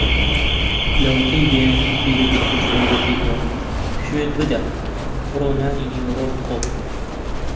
لەوەتەی بەیانی بیر لەم کێشەیە دەکەیتەوە. پشوویەک بدە؛ بڕۆ نانی نیوەڕۆ بخۆ.